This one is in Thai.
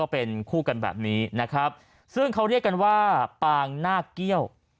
เป็นคู่กันแบบนี้นะครับซึ่งเขาเรียกกันว่าปางหน้าเกี้ยว